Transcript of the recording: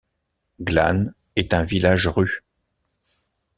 Glannes est un village-rue.